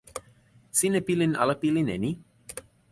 sina pilin ala pilin e ni?